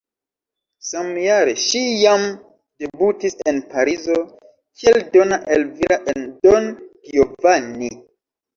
Samjare ŝi jam debutis en Parizo kiel Donna Elvira en "Don Giovanni".